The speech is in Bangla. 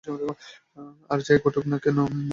আর যাই ঘটুক না কেন, তুমি হাত ছেড়ে দিবে না, কেমন?